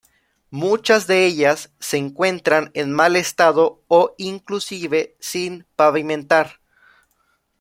Muchas de ellas se encuentran en mal estado o inclusive sin pavimentar.